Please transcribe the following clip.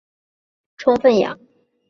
这个我们证据都非常充分呀。